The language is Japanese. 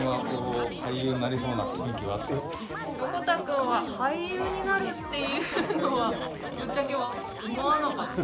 横田くんは俳優になるっていうのはぶっちゃけ思わなかった。